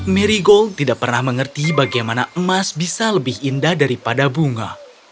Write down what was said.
miri gold tidak pernah mengerti bagaimana emas bisa lebih indah daripada bunga